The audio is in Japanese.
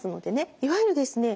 いわゆるですね